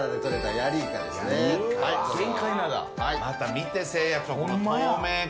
見てせいやこの透明感。